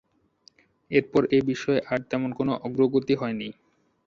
এরপর এ বিষয়ে আর তেমন কোন অগ্রগতি হয়নি।